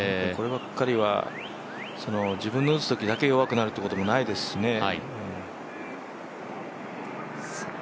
こればっかりは自分の打つときだけ弱くなるということもないですしね。